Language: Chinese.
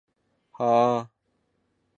游戏收到好评。